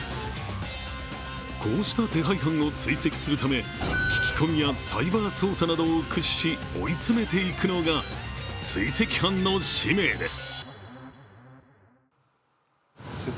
こうした手配犯を追跡するため、聞き込みやサイバー捜査などを駆使し、追い詰めていくのが追跡班の使命です。